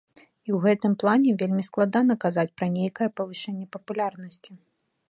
І ў гэтым плане вельмі складана казаць пра нейкае павышэнне папулярнасці.